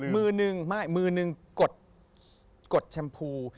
มือนึงไม่มือนึงกดแชมพู